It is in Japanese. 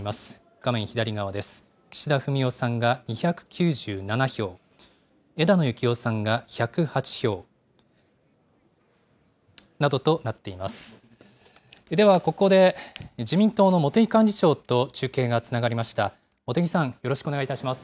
画面左側です。